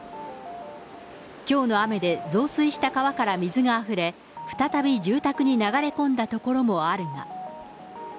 きょうの雨で増水した川から水があふれ、再び住宅に流れ込んだところもあるが。